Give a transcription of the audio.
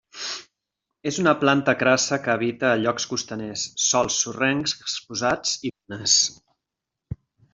És una planta crassa que habita a llocs costaners, sòls sorrencs exposats i dunes.